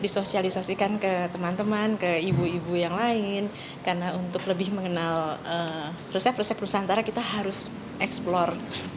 disosialisasikan ke teman teman ke ibu ibu yang lain karena untuk lebih mengenal resep resep nusantara kita harus eksplor